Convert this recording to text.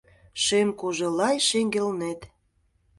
Шем кожы-лай шеҥгелнет